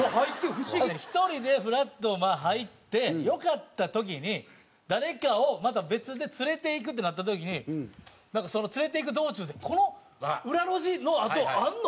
１人でふらっと入って良かった時に誰かをまた別で連れていくってなった時に連れていく道中で「この裏路地のあとあるの？」